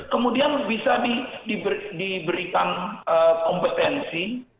kemudian bisa diberikan kompetensi